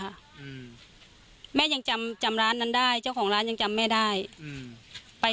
อืมแม่ยังจำจำร้านนั้นได้เจ้าของร้านยังจำแม่ได้อืมไป